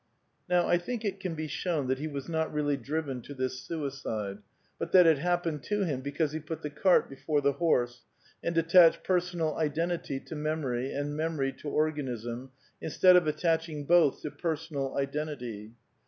Kow, I think it can be shown that he was not really driven to this suicide, but that it happened to him because he put the cart before the horse, and attached personal A identity to memory, and memory to organism, instead of ^.• attaching both to personal identity.